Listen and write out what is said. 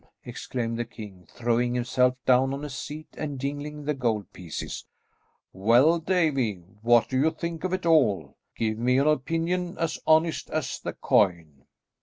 exclaimed the king, throwing himself down on a seat and jingling the gold pieces. "Well, Davie, what do you think of it all? Give me an opinion as honest as the coin."